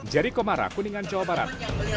jerry komara kuningan jawa barat